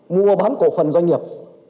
mua bán cổ phần doanh nghiệp